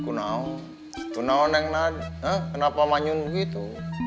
aku tau aku tau neng nadia hah kenapa manyun begitu